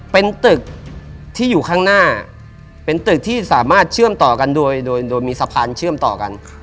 เป็นตึกที่อยู่ข้างหน้าเป็นตึกที่สามารถเชื่อมต่อกันโดยโดยมีสะพานเชื่อมต่อกัน